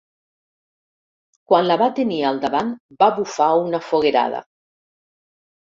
Quan la va tenir al davant va bufar una foguerada.